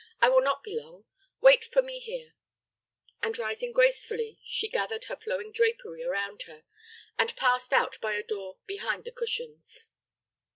I will not be long; wait for me here;" and rising gracefully, she gathered her flowing drapery around her, and passed out by a door behind the cushions.